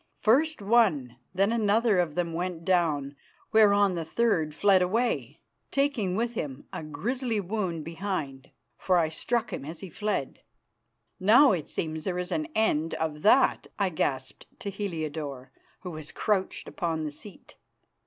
First one and then another of them went down, whereon the third fled away, taking with him a grizzly wound behind, for I struck him as he fled. "Now it seems there is an end of that," I gasped to Heliodore, who was crouched upon the seat.